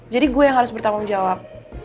jadi gue yang harus bertanggung jawab